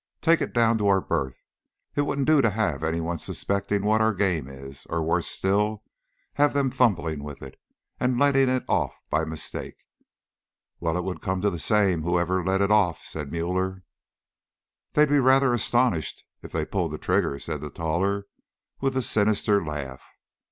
Take it down to our berth. It wouldn't do to have any one suspecting what our game is, or, worse still, have them fumbling with it, and letting it off by mistake." "Well, it would come to the same, whoever let it off," said Müller. "They'd be rather astonished if they pulled the trigger," said the taller, with a sinister laugh.